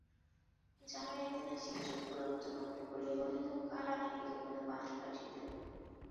জামাই একদিন আসিয়া চক্ষু রক্তবর্ণ করিয়া বলিল, কাল আমি বিকালবেলা পালকি পাঠিয়ে দেব।